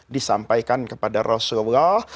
disampaikan kepada rasulullah